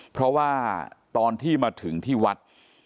เพราะว่าตอนที่มาถึงที่วัด